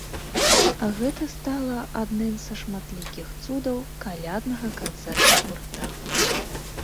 Гэта стала адным са шматлікіх цудаў каляднага канцэрта гурта.